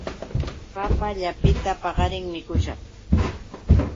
Papa llapita paqarin mukushaq.